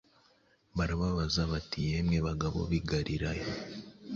Barababaza bati “Yemwe bagabo b’i Galilaya,